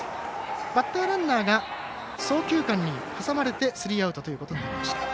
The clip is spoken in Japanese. バッターランナーが送球間に、挟まれてスリーアウトということになりました。